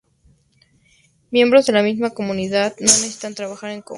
Miembros de la misma comunidad no necesitan trabajar en conjunto.